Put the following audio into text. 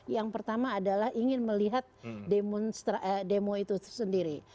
yang pertama adalah ingin melihat demo itu sendiri